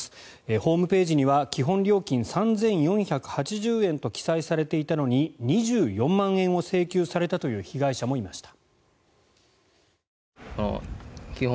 ホームページには基本料金３４８０円と記載されていたのに２４万円を請求されたという被害者もいました。